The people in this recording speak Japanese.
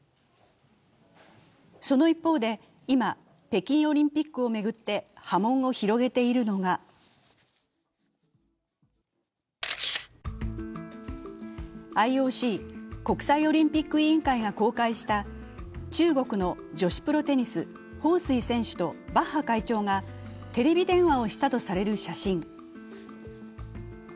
その一方で今、北京オリンピックを巡って波紋を広げているのがＩＯＣ＝国際オリンピック委員会が公開した中国の女子プロテニス・彭帥選手とバッハ会長がテレビ電話をしたとされる写真。